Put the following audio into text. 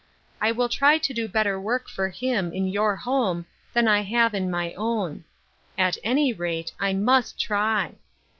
I will try to do better work for him, in your home, than T have in my own. At any rate, I mu%t try.